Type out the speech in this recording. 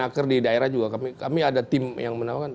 kemenaker di daerah juga kami ada tim yang menangkapkan